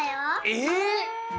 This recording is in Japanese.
えっ？